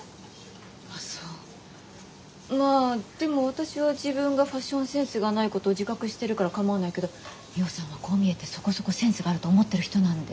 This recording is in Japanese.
まぁでも私は自分がファッションセンスがないこと自覚してるから構わないけどミホさんはこう見えてそこそこセンスがあると思ってる人なんで。